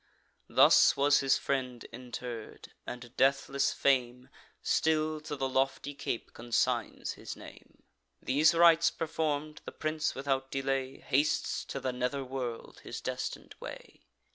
Thus was his friend interr'd; and deathless fame Still to the lofty cape consigns his name. These rites perform'd, the prince, without delay, Hastes to the nether world his destin'd way.